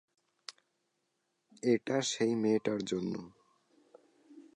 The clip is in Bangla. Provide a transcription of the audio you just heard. এটা সেই মেয়েটার জন্য।